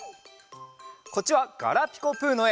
こっちはガラピコぷのえ。